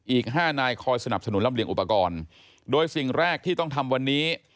อีกห้านายคอยสนับสนุนลำเลียงอุปกรณ์โดยสิ่งแรกที่ต้องทำวันนี้